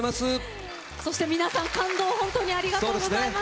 そして皆さん、感動を本当にありがとうございます。